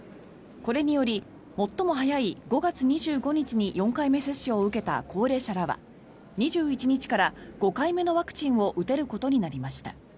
これにより最も早い５月２５日に４回目接種を受けた高齢者らは２１日から５回目のワクチンを打てることになりました。